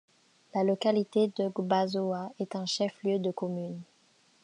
La localité de Gbazoa est un chef-lieu de commune.